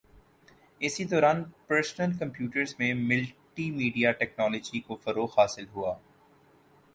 اسی دوران personal computers میں ملٹی میڈیا ٹیکنولوجی کو فروغ حاصل ہوا